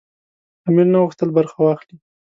امیر نه غوښتل برخه واخلي.